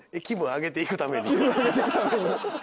気分上げていくために。